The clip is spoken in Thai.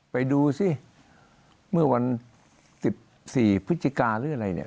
ไปดูสิเมื่อวัน๑๔พฤศจิกาหรืออะไรเนี่ย